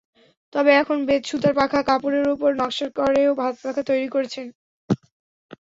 তবে এখন বেত, সুতার পাখা, কাপড়ের ওপর নকশা করেও হাতপাখা তৈরি করছেন।